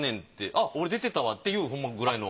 あっ俺出てたわっていうくらいの。